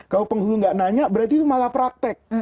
kalau penghulu nggak nanya berarti itu malah praktek